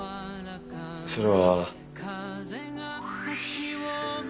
それは。